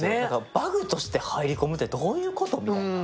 バグとして入り込むってどういうこと？みたいな。